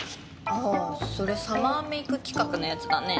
ああそれサマーメイク企画のやつだね。